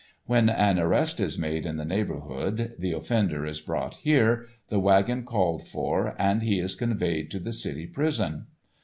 When an arrest is made in the neighbourhood the offender is brought here, the wagon called for, and he is conveyed to the City Prison.